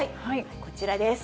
こちらです。